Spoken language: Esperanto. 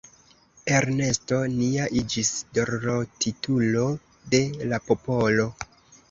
Ernesto nia iĝis dorlotitulo de la popolo.